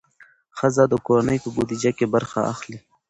ښځې د کورنۍ په بودیجه کې برخه اخلي.